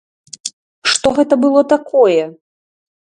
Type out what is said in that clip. Што гэта было такое?